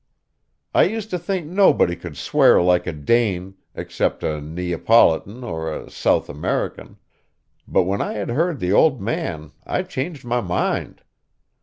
I used to think nobody could swear like a Dane, except a Neapolitan or a South American; but when I had heard the old man I changed my mind.